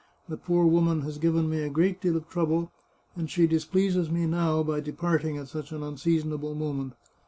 The poor woman has given me a great deal of trouble, and she displeases me now by departing at such an unseasonable moment.